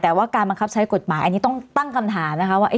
แต่ว่าการบังคับใช้กฎหมายอันนี้ต้องตั้งคำถามนะคะว่า